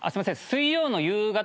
水曜の夕方。